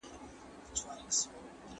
حکومت کولای سي له شتمنو څخه تعاون وغواړي.